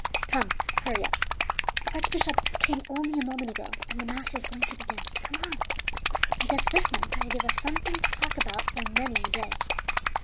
Come, hurry up, the archbishop came only a moment ago, and the mass is going to begin. Come on; I guess this night will give us something to talk about for many a day!"